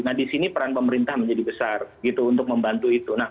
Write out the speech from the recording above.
nah di sini peran pemerintah menjadi besar gitu untuk membantu itu